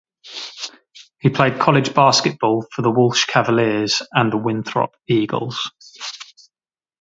He played college basketball for the Walsh Cavaliers and the Winthrop Eagles.